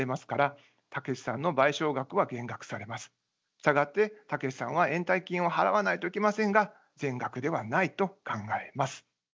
したがってタケシさんは延滞金を払わないといけませんが全額ではないと考えます。